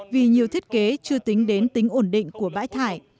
vì nhiều thiết kế chưa tính đến tính ổn định của bãi thải